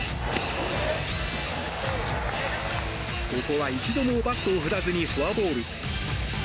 ここは一度もバットを振らずにフォアボール。